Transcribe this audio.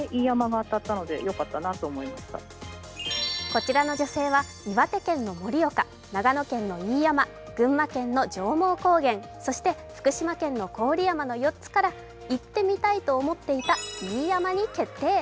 こちらの女性は岩手県の盛岡、長野県の飯山、群馬県の上毛高原、そして福島県の郡山の４つから行ってみたいと思っていた飯山に決定。